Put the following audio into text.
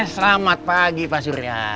selamat pagi pak surya